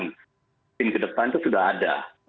tapi mungkin kedepan itu sudah ada